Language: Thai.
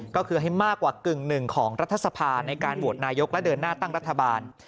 ก็คือให้มากกว่ากึ่งหนึ่งของรัฐสภาในการโหวตนายกและเดินหน้าตั้งรัฐบาล